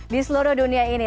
di seluruh dunia ini